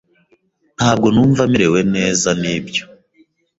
Ntabwo numva merewe neza nibyo.